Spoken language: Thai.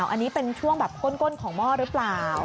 อันนี้เป็นช่วงแบบก้นของหม้อหรือเปล่า